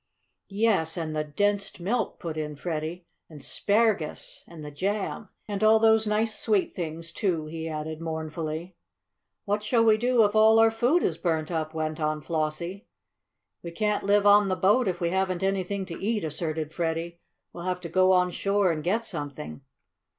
"Yes. And the 'densed milk!" put in Freddie. "And 'spargus. And the jam! And all those nice sweet things, too!" he added mournfully. "What shall we do if all our food is burnt up?" went on Flossie. "We can't live on the boat if we haven't anything to eat," asserted Freddie. "We'll have to go on shore and get something."